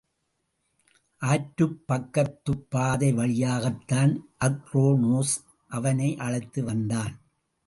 ஆற்றுப் பக்கத்துப்பாதை வழியாகத்தான் அக்ரோனோஸ் அவனை அழைத்து வந்தான்.